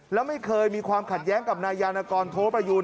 แล้วไม่เคยมีความขัดแย้งกับนายยานกรโทประยูน